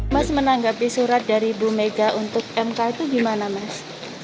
mas menanggapi surat dari bu mega untuk mk itu gimana mas